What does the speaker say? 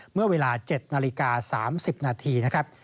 เมื่อเวลา๗นาฬิกา๓๐นาทีนะครับ